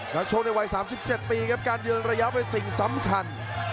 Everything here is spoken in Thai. นักโชคในวัย๓๗ปีครับการยืนระยะเป็นสิ่งสำคัญ